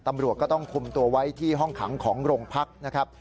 ตำรวจก็ต้องคุมตัวไว้ที่ห้องขังของโรงพักนะครับ